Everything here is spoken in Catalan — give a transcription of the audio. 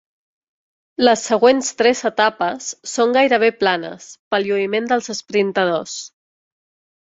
Les següents tres etapes són gairebé planes, pel lluïment dels esprintadors.